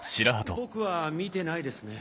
僕は見てないですね。